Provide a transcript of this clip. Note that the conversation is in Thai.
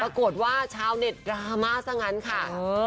ปรากฏว่าชาวเน็ตดราม่าซะงั้นค่ะ